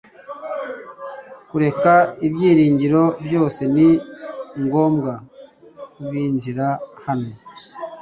Kureka ibyiringiro byose ni ngombwa k’ubinjira hano